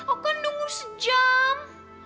aku kan nunggu sejam